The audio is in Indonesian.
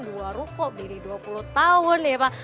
dua ruko bini dua puluh tahun ya pak